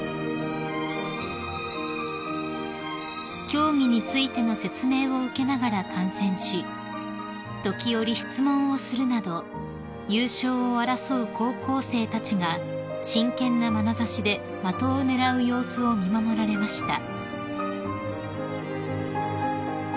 ［競技についての説明を受けながら観戦し時折質問をするなど優勝を争う高校生たちが真剣なまなざしで的を狙う様子を見守られました］